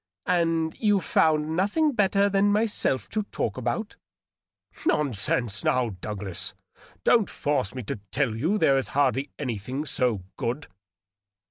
"And you found nothing better than myself to talk about?" " Nonsense, now, Douglas ! Don't force me to tell you there is hardly anything so good."